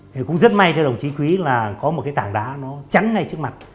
thì cũng rất may theo đồng chí quý là có một cái tảng đá nó chắn ngay trước mặt